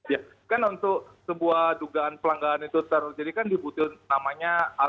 ya kan untuk sebuah dugaan pelanggaran itu terjadi kan dibutuhkan namanya